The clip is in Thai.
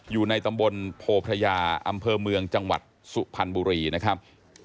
อยู่ในตำบลโพพระยาอำเภอเมืองจังหวัดสุพรรณบุรีนะครับ